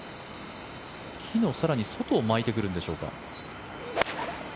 木の更に外を巻いてくるんでしょうか。